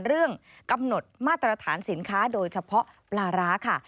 เรื่องกำหนดมาตรฐานสินค้าโดยเฉพาะปลาร้าค่ะ